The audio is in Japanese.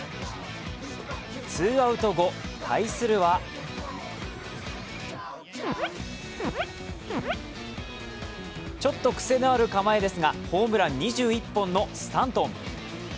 ツーアウト後、対するはちょっと癖のある構えですが、ホームラン２１本のスタントン。